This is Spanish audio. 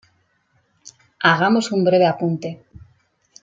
Hagamos un breve apunte.